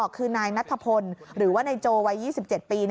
คือนายนัทพลหรือว่านายโจวัย๒๗ปี